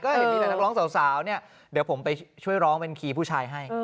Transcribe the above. ก็เห็นมีแต่นักร้องสาวเนี่ยเดี๋ยวผมไปช่วยร้องเป็นคีย์ผู้ชายให้